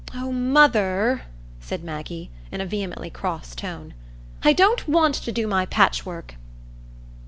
"Oh, mother," said Maggie, in a vehemently cross tone, "I don't want to do my patchwork."